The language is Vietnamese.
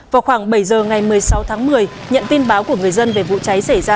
vào khoảng bảy giờ ngày một mươi sáu tháng một mươi nhận tin báo của người dân về vụ cháy xảy ra